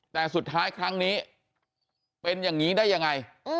แต่สุดท้ายครั้งนี้เป็นอย่างนี้ได้ยังไง